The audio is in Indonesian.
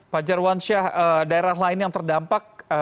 pak jarwan syah daerah lain yang terdampak